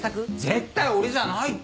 絶対俺じゃないって！